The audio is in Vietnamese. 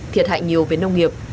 thiệt hại nhiều về nông nghiệp